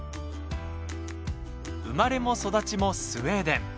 生まれも育ちもスウェーデン。